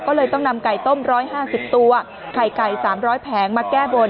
ก็เลยต้องนำไก่ต้มร้อยห้าสิบตัวไข่ไก่สามร้อยแผงมาแก้บน